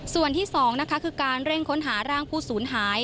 ส่วนที่๒นะคะคือการเร่งค้นหาร่างผู้สูญหาย